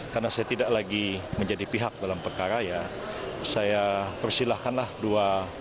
karena saya tidak lagi menjadi pihak dalam perkara saya persilahkanlah dua